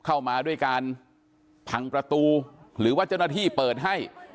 เข้ามาด้วยการพังประตูหรือว่าเจ้าหน้าที่เปิดให้